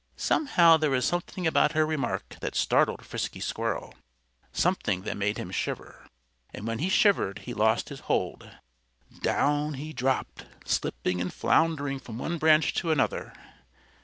Somehow there was something about her remark that startled Frisky Squirrel something that made him shiver. And when he shivered he lost his hold. Down he dropped, slipping and floundering from one branch to another.